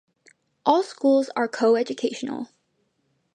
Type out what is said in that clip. All schools are coeducational.